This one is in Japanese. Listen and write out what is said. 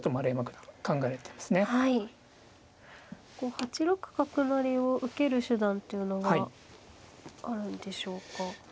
８六角成を受ける手段というのがあるんでしょうか。